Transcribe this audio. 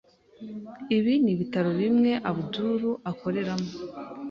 Ibi nibitaro bimwe Abdul akoreramo.